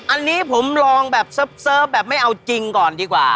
อันนี้ผมลองแบบเสิร์ฟแบบไม่เอาจริงก่อนดีกว่า